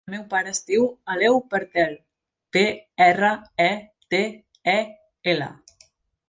El meu pare es diu Aleu Pretel: pe, erra, e, te, e, ela.